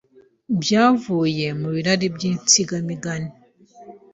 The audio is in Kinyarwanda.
byavuye mu birari by’insigamigani